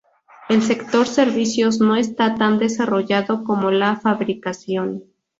El sector servicios no está tan desarrollado como la fabricación.